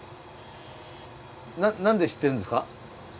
何で知ってるんですか？